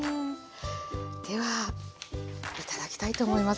では頂きたいと思います。